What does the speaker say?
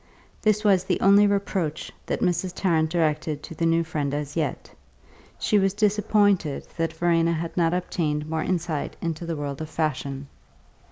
This was the only reproach that Mrs. Tarrant directed to the new friend as yet; she was disappointed that Verena had not obtained more insight into the world of fashion.